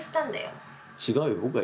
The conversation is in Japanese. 違うよ。